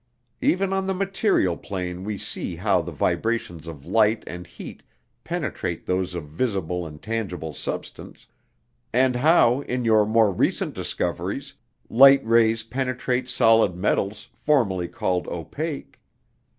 Even on the material plane we see how the vibrations of light and heat penetrate those of visible and tangible substance, and how, in your more recent discoveries, light rays penetrate solid metals formerly called opaque.